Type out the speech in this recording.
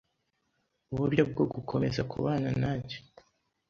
uburyo bwo gukomeza kubana nage